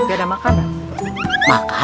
aduh makan mah paman mah